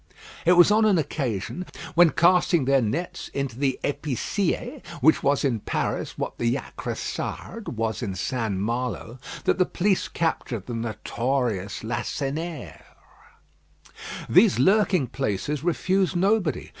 It was on an occasion, when casting their nets into the Epi scié which was in Paris what the Jacressade was in St. Malo that the police captured the notorious Lacenaire. These lurking places refuse nobody.